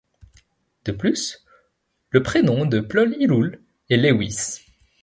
De plus, le prénom de Plol-llul est Lewhis.